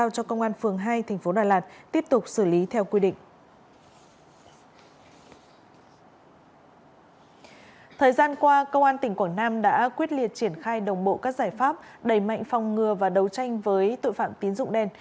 công an tỉnh quảng nam đã quyết liệt triển khai đồng bộ các giải pháp đầy mạnh phòng ngừa và đấu tranh với tội phạm tín dụng đen